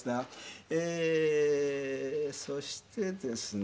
えーそしてですね。